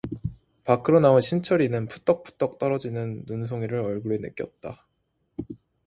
밖으로 나온 신철이는 푸떡푸떡 떨어지는 눈송이를 얼굴에 느꼈다.